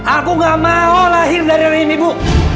aku gak mau lahir dari ini bu